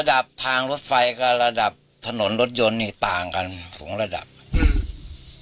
ระดับทางรถไฟกับระดับถนนรถยนต์นี่ต่างกันฝงระดับอืม